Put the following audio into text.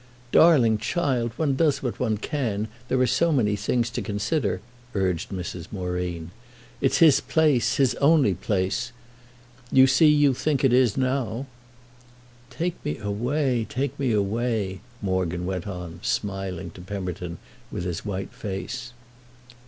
"Darling child, one does what one can; there are so many things to consider," urged Mrs. Moreen. "It's his place—his only place. You see you think it is now." "Take me away—take me away," Morgan went on, smiling to Pemberton with his white face.